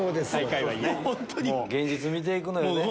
現実見て行くのよね。